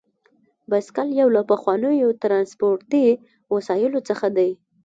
بایسکل یو له پخوانیو ترانسپورتي وسایلو څخه دی.